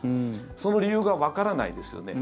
その理由がわからないですよね。